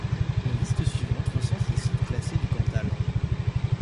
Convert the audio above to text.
La liste suivante recense les sites classés du Cantal.